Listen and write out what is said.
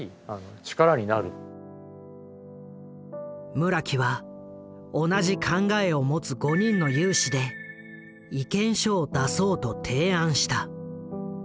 村木は同じ考えを持つ５人の有志で意見書を出そうと提案した。